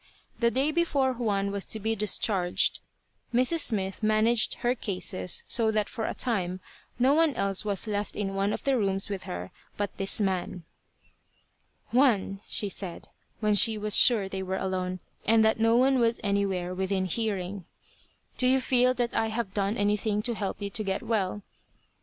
The day before Juan was to be discharged, Mrs. Smith managed her cases so that for a time no one else was left in one of the rooms with her but this man. "Juan," she said, when she was sure they were alone, and that no one was anywhere within hearing, "do you feel that I have done anything to help you to get well?"